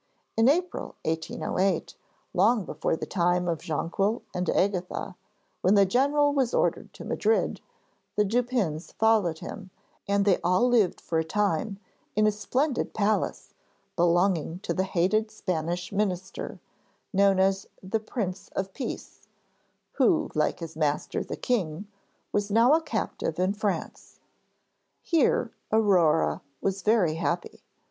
In April 1808, long before the time of Jonquil and Agatha, when the general was ordered to Madrid, the Dupins followed him, and they all lived for a time in a splendid palace belonging to the hated Spanish minister, known as the 'Prince of Peace,' who like his master the king, was now a captive in France. Here Aurore was very happy.